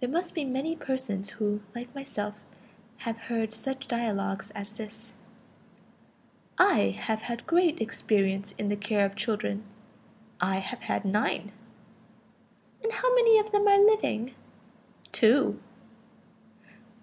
There must be many persons who, like myself, have heard such dialogues as this: "I have had great experience in the care of children; I have had nine." "And how many of them are living?" "Two."